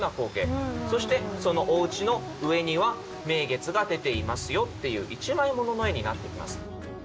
そしてそのおうちの上には名月が出ていますよっていう一枚ものの絵になってきます。